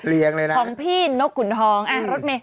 เรียงเลยนะของพี่นกขุนทองอ่ะรถแม่